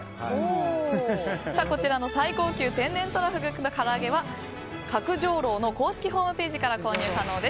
こちらの最高級天然とらふぐ唐揚げは角上楼の公式ホームページから購入可能です。